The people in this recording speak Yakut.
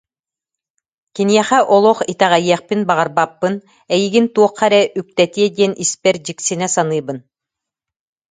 Киниэхэ олох итэҕэйиэхпин баҕарбаппын, эйигин туохха эрэ үктэтиэ диэн испэр дьиксинэ саныыбын